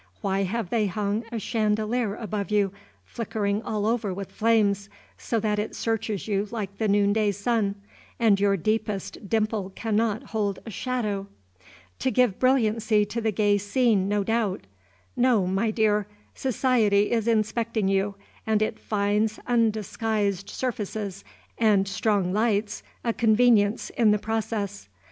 Why have they hung a chandelier above you, flickering all over with flames, so that it searches you like the noonday sun, and your deepest dimple cannot hold a shadow? To give brilliancy to the gay scene, no doubt! No, my clear! Society is inspecting you, and it finds undisguised surfaces and strong lights a convenience in the process.